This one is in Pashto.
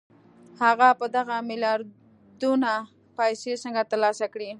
هغه به دغه ميلياردونه پيسې څنګه ترلاسه کړي؟